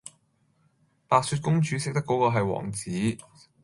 白雪公主識得果個系王子